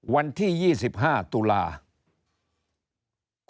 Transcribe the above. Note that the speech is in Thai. วันที่๒๕ตุลาคม